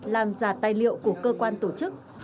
làm giả tài liệu của cơ quan tổ chức